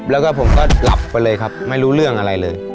แล้วก็ผมก็หลับไปเลยครับไม่รู้เรื่องอะไรเลย